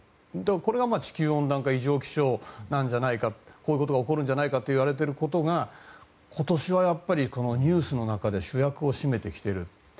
これは地球温暖化異常気象なんじゃないかとこういうことが起きるといわれていることが今年はニュースの中で主役を占めてきている。